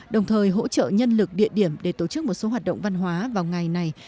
đồng thời hỗ trợ nhân lực địa điểm để tổ chức một số hoạt động văn hóa vào ngày này